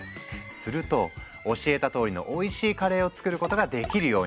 すると教えたとおりのおいしいカレーを作ることができるように。